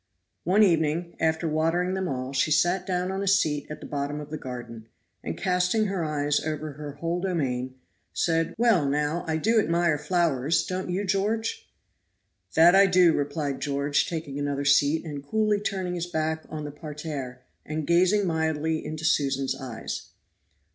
One evening, after watering them all, she sat down on a seat at the bottom of the garden, and casting her eyes over her whole domain, said, "Well, now, I do admire flowers; don't you, George?" "That I do," replied George, taking another seat, and coolly turning his back on the parterre, and gazing mildly into Susan's eyes.